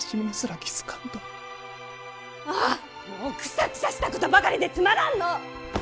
あーもうくさくさしたことばかりでつまらんのぅ。